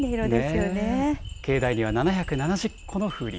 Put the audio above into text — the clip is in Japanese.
境内には７７０個の風鈴。